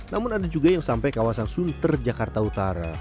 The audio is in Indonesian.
namun ada juga yang sampai kawasan sunter jakarta utara